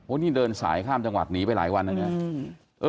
โอ้นี่เดินสายข้ามจังหวัดหนีไปหลายวันนะ